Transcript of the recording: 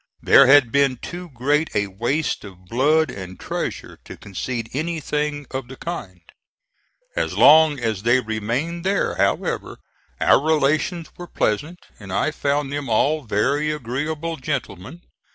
There had been too great a waste of blood and treasure to concede anything of the kind. As long as they remained there, however, our relations were pleasant and I found them all very agreeable gentlemen.